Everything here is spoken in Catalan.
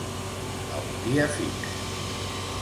A un dia fix.